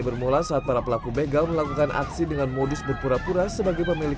bermula saat para pelaku begal melakukan aksi dengan modus berpura pura sebagai pemilik